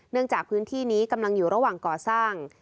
จากพื้นที่นี้กำลังอยู่ระหว่างก่อสร้าง